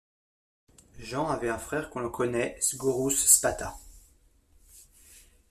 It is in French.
Jean avait un frère que l’on connait, Sgouros Spata.